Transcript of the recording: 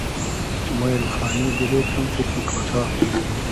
مۉ اېلخانی دیرې کئم فیکری کۉتا